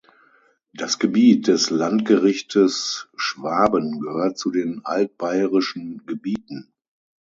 Das Gebiet des Landgerichtes Schwaben gehört zu den altbayerischen Gebieten.